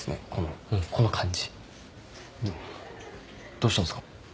どうしたんすか？